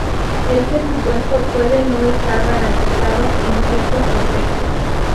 Este supuesto puede no estar garantizado en ciertos contextos.